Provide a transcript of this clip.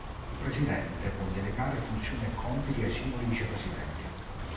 Il presidente può delegare funzioni e compiti ai singoli vicepresidenti.